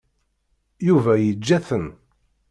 Yuba yeǧǧa-ten.